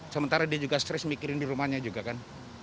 sementara dia juga stres mikirin di rumahnya juga kan